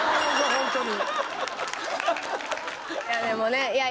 ホントに？